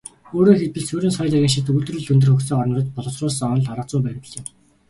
Өөрөөр хэлбэл, суурин соёл иргэншилт, үйлдвэрлэл өндөр хөгжсөн орнуудад боловсруулсан онол аргазүйн баримтлал юм.